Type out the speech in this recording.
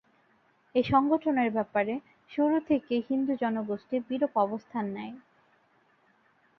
এ সংগঠনের ব্যাপারে শুরু থেকেই হিন্দু জনগোষ্ঠী বিরূপ অবস্থান নেয়।